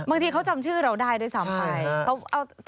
บางทีเขาจำชื่อเราได้ด้วยซ้ำไป